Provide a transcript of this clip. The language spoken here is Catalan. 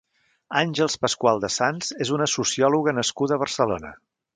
Àngels Pascual de Sans és una sociòloga nascuda a Barcelona.